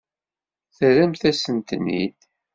Terramt-asent-ten-id.